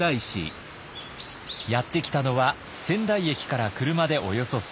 やって来たのは仙台駅から車でおよそ３０分。